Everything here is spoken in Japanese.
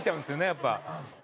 やっぱ。